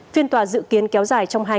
phiên tòa dự kiến kéo dài trong hai ngày